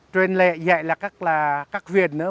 truyền dạy là các huyền nữa